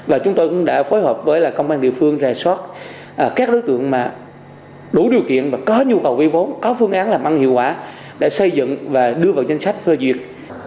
và chúng tôi cũng đã phối hợp với công an địa phương rà soát các đối tượng đủ điều kiện và có nhu cầu vay vốn có phương án làm ăn hiệu quả để xây dựng và đưa vào danh sách phơ duyệt